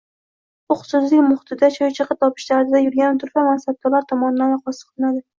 — huquqsizlik muhitida choychaqa topish dardida yurgan turfa mansabdorlar tomonidan oyoqosti qilinadi.